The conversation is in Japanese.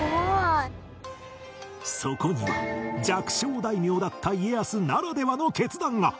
そこには弱小大名だった家康ならではの決断が